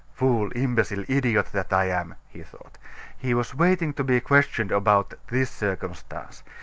"Fool, imbecile, idiot, that I am!" he thought. "He was waiting to be questioned about this circumstance.